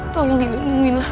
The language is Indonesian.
tolong dilindungi lah